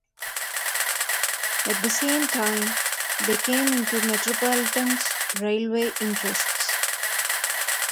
At the same time they came into Metropolitan's railway interests.